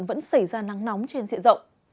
vẫn xảy ra nắng nóng trên diện rộng